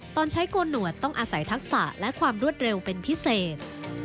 ตอนใช้โกนหวดต้องอาศัยทักษะและความรวดเร็วเป็นพิเศษ